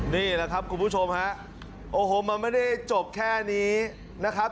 นี่แหละครับคุณผู้ชมฮะโอ้โหมันไม่ได้จบแค่นี้นะครับ